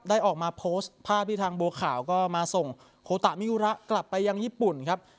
ออกมาโพสต์ภาพที่ทางบัวขาวก็มาส่งโคตะมิยุระกลับไปยังญี่ปุ่นครับ